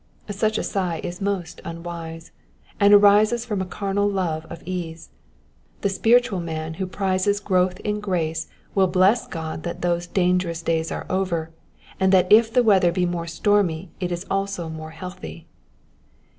Such a sigh is most unwise, and arises from a carnal love of ease : the spiritual man who prizes growth in erace will bless God that those dangerous days are over, and that if the weather be more stormy it is also more healthy.